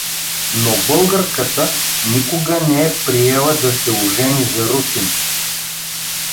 Но българката никога не е приела да се ожени за русин!